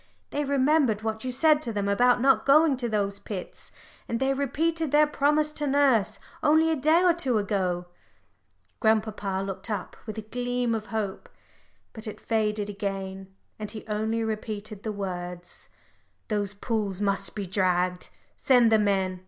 They remembered what you said to them about not going to those pits, and they repeated their promise to nurse only a day or two ago." Grandpapa looked up with a gleam of hope. But it faded again, and he only repeated the words "Those pools must be dragged. Send the men.